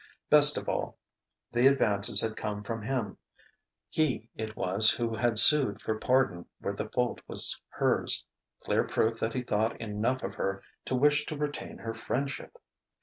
Best of all, the advances had come from him; he it was who had sued for pardon where the fault was hers clear proof that he thought enough of her to wish to retain her friendship!